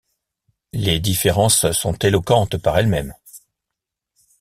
Les différences sont éloquentes par elles-mêmes.